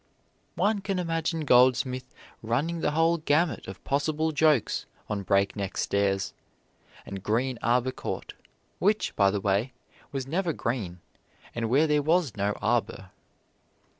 One can imagine Goldsmith running the whole gamut of possible jokes on Breakneck Stairs, and Green Arbor Court, which, by the way, was never green and where there was no arbor.